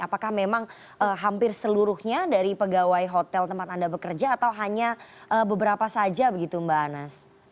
apakah memang hampir seluruhnya dari pegawai hotel tempat anda bekerja atau hanya beberapa saja begitu mbak anas